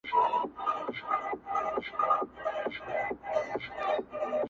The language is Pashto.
• غوټۍ زمولیږي شبنم پر ژاړي -